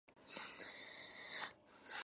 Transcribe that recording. Se queda sin agua durante el verano.